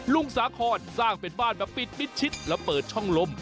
สาคอนสร้างเป็นบ้านมาปิดมิดชิดและเปิดช่องลม